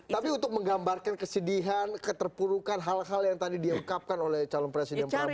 tapi untuk menggambarkan kesedihan keterpurukan hal hal yang tadi diungkapkan oleh calon presiden prabowo